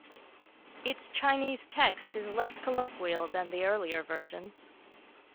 Its Chinese text is less colloquial than the earlier versions.